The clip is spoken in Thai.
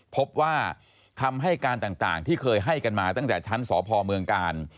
พบว่าคำให้การต่างที่เคยให้กันมาตั้งแต่ชั้นสพเมืองกาล